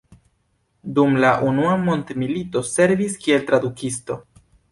Dum la Unua mondmilito servis kiel tradukisto.